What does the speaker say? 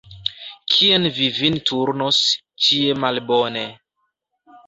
Kien vi vin turnos, ĉie malbone.